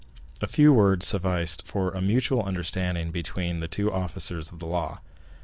A few words sufficed for a mutual understanding between the two officers of the law.